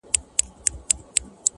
ما لس كاله سلطنت په تا ليدلى!!